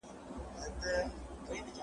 کرکه او حسد د ژوند ستونزې زیاتوي.